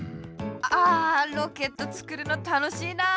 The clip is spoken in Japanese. あロケットつくるのたのしいな。